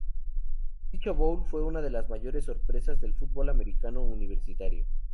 Dicho bowl fue una de las mayores sorpresas del fútbol americano universitario.